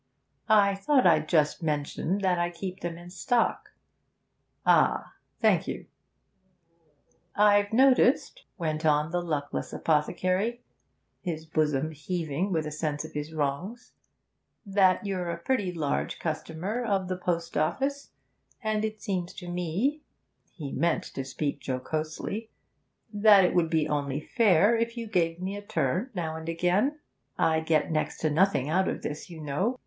'I thought I'd just mention that I keep them in stock.' 'Ah thank you ' 'I've noticed,' went on the luckless apothecary, his bosom heaving with a sense of his wrongs, 'that you're a pretty large customer of the post office, and it seems to me' he meant to speak jocosely 'that it would be only fair if you gave me a turn now and then. I get next to nothing out of this, you know.